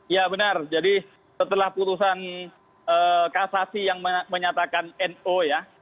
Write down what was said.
ya benar jadi setelah putusan kasasi yang menyatakan no ya